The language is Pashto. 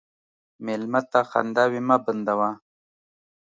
مېلمه ته خنداوې مه بندوه.